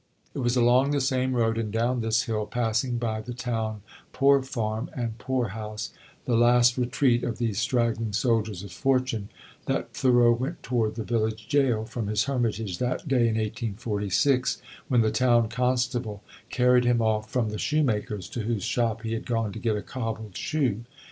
It was along the same road and down this hill, passing by the town "poor farm" and poor house, the last retreat of these straggling soldiers of fortune, that Thoreau went toward the village jail from his hermitage, that day in 1846, when the town constable carried him off from the shoemaker's to whose shop he had gone to get a cobbled shoe.